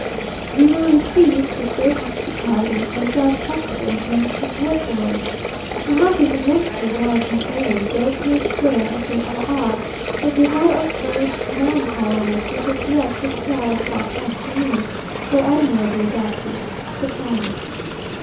We were received with great hospitality, and found excellent rooms prepared for us. The house is immensely large and airy, built in a square as they all are, but with that unfurnished melancholy look, which as yet this style of house has to me, though admirably adapted to the climate.